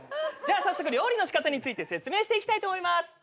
じゃあ早速料理の仕方について説明していきたいと思います。